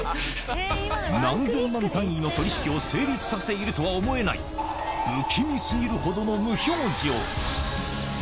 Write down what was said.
何千万単位の取り引きを成立させているとは思えない、不気味すぎるほどの無表情。